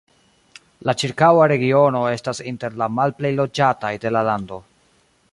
La ĉirkaŭa regiono estas inter la malplej loĝataj de la lando.